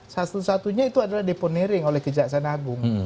satu satunya itu adalah deponering oleh kejaksaan agung